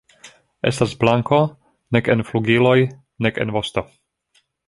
Estas blanko nek en flugiloj nek en vosto.